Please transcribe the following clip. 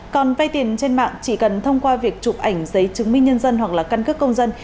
còn vay tiền trên mạng chỉ cần thông qua việc chụp ảnh giấy chứng minh nhân dân hoặc là căn cước công dân